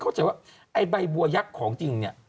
เข้าใจว่าไอ้ใบบัวยักษ์ของจริงเนี่ย